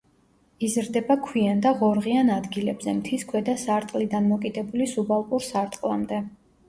იზრდება ქვიან და ღორღიან ადგილებზე მთის ქვედა სარტყლიდან მოკიდებული სუბალპურ სარტყლამდე.